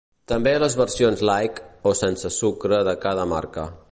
També les versions ‘light’ o sense sucre de cada marca.